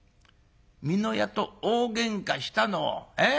美濃屋と大げんかしたのを。